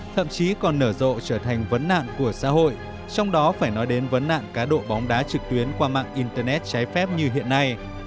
thậm chí còn nở rộ trở thành vấn nạn của xã hội trong đó phải nói đến vấn nạn cá độ bóng đá trực tuyến qua mạng internet trái phép như hiện nay